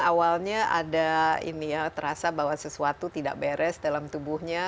awalnya ada ini ya terasa bahwa sesuatu tidak beres dalam tubuhnya